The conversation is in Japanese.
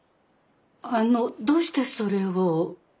あのどうしてそれを？